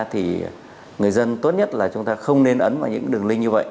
thì người dân tốt nhất là chúng ta không nên ấn vào những đường link như vậy